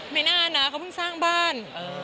ไม่น่านะเขาเพิ่งสร้างบ้าน